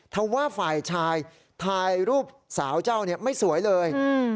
ถ้าว่าฝ่ายชายถ่ายรูปสาวเจ้าเนี่ยไม่สวยเลย